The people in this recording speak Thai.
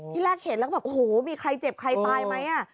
แรกเห็นแล้วก็แบบโอ้โหมีใครเจ็บใครตายไหม